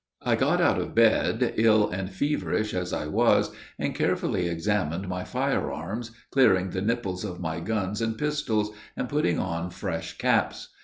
I got out of bed, ill and feverish as I was, and carefully examined my fire arms, clearing the nipples of my gun and pistols, and putting on fresh caps.